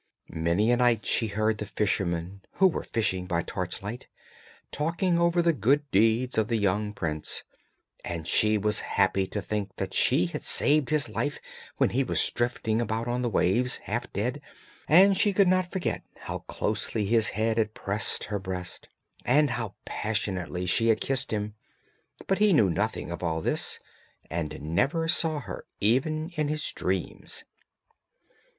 Many a night she heard the fishermen, who were fishing by torchlight, talking over the good deeds of the young prince; and she was happy to think that she had saved his life when he was drifting about on the waves, half dead, and she could not forget how closely his head had pressed her breast, and how passionately she had kissed him; but he knew nothing of all this, and never saw her even in his dreams.